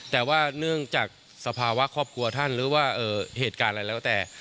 แต่ว่าเนื่องจากสภาวะครอบครัวท่านหรือว่าเหตุการณ์อะไรแล้วแต่